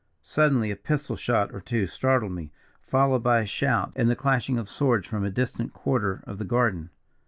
"Suddenly a pistol shot or two startled me, followed by a shout and the clashing of swords from a distant quarter of the garden.